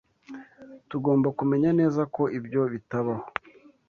Tugomba kumenya neza ko ibyo bitabaho.